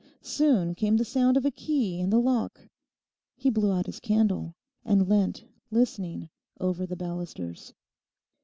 Soon came the sound of a key in the lock. He blew out his candle and leant listening over the balusters.